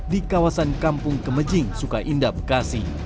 di kawasan kampung kemejing suka indah bekasi